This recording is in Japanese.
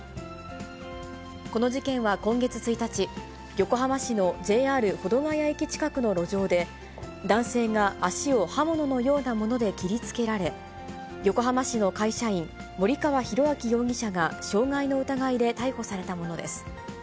この事件は今月１日、横浜市のＪＲ保土ケ谷駅近くの路上で、男性が足を刃物のようなもので切りつけられ、横浜市の会社員、森川浩昭容疑者が傷害の疑いで逮捕されたものです。